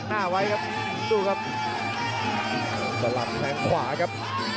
กระโดยสิ้งเล็กนี่ออกกันขาสันเหมือนกันครับ